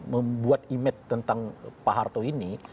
membuat image tentang pak harto ini